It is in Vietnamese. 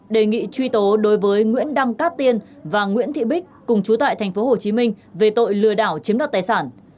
đề nghị truy tố đối với nguyễn đăng cát tiên và nguyễn thị bích cùng chú tại tp hcm về tội lừa đảo chiếm đoạt tài sản